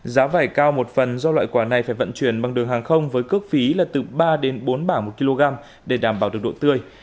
giá vải cao một phần do loại quả này phải vận chuyển bằng đường hàng không với cước phí là từ ba đến bốn bảng một kg để đảm bảo được độ tươi